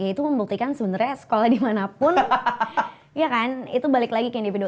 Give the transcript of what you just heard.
itu membuktikan sebenarnya sekolah dimanapun ya kan itu balik lagi ke individu